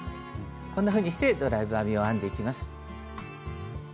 こんなふうにしてドライブ編みを編んでいきます。